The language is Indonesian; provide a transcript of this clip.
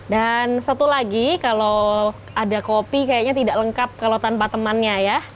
dan satu lagi kalau ada kopi kayaknya tidak lengkap kalau tanpa temannya ya